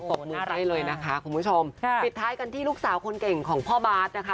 โอ้น่ารักนะคุณผู้ชมปิดท้ายกันที่ลูกสาวคนเก่งของพ่อบาทนะคะ